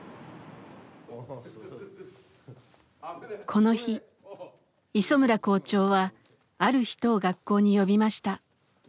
この日磯村校長はある人を学校に呼びました。